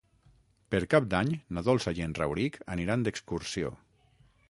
Per Cap d'Any na Dolça i en Rauric aniran d'excursió.